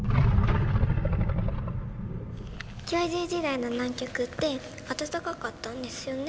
恐竜時代の南極って暖かかったんですよね？